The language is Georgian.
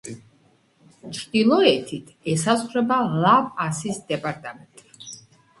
ჩრდილოეთით ესაზღვრება ლა-პასის დეპარტამენტი.